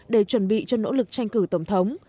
để chuẩn bị cho nỗ lực tranh cử tổng thống